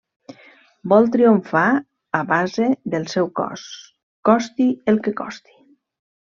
Vol triomfar a base del seu cos, costi el que costi.